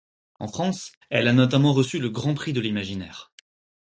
En France, elle a notamment reçu le Grand prix de l'Imaginaire.